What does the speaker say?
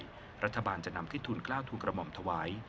หลังหักค่าใช้จ่ายรัฐบาลจะนำทิ้งทุนกล้าวทุนกระหม่อมถวาย